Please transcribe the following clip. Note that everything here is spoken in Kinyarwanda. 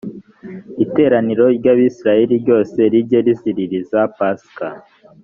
iteraniro ry abisirayeli ryose rijye riziririza pasika